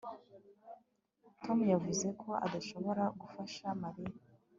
Tom yavuze ko adashobora gufasha Mariya